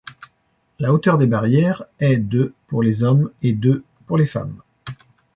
La hauteur des barrières est de pour les hommes et de pour les femmes.